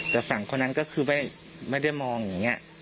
แต่ฝั่งคนนั้นก็คือไม่ได้มองอย่างนี้